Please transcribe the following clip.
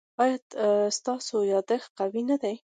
ایا ستاسو یادښت قوي نه دی؟